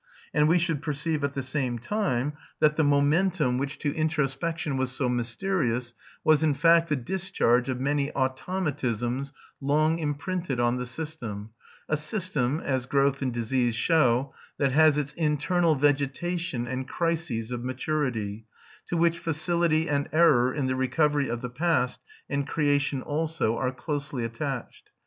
And we should perceive at the same time that the momentum which to introspection was so mysterious was in fact the discharge of many automatisms long imprinted on the system, a system (as growth and disease show) that has its internal vegetation and crises of maturity, to which facility and error in the recovery of the past, and creation also, are closely attached.